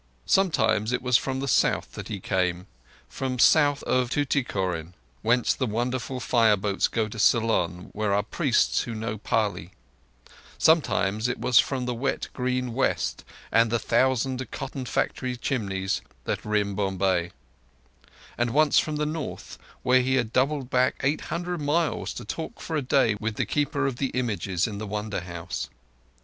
Sometimes it was from the South that he came—from south of Tuticorin, whence the wonderful fire boats go to Ceylon where are priests who know Pali; sometimes it was from the wet green West and the thousand cotton factory chimneys that ring Bombay; and once from the North, where he had doubled back eight hundred miles to talk for a day with the Keeper of the Images in the Wonder House.